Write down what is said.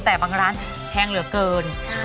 แต่บางร้านแพงเหลือเกิน